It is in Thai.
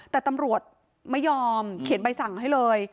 แต่ตำรวจไม่ยอมเขียนใบสั่งให้เลย